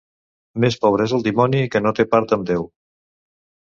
Més pobre és el dimoni, que no té part amb Déu.